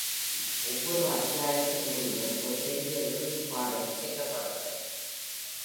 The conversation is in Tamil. ஒவ்வொரு அத்தியாயத்தின் முடிவிலும், ஒரு பெரிய "இறுதி" பாடல் இசைக்கப்படுகிறது.